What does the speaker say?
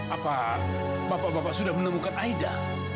apa bapak bapak sudah menemukan aida